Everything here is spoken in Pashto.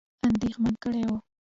اندېښمن کړي وه.